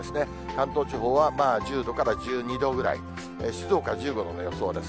関東地方は１０度から１２度ぐらい、静岡１５度の予想です。